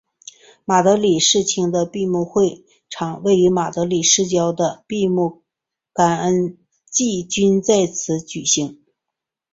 马德里世青的闭幕会场位于马德里市郊的的闭幕感恩祭均在此举行。